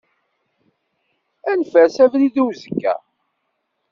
Ad nfers abrid i uzekka.